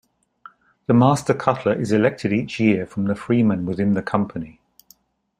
The Master Cutler is elected each year from the freemen within the company.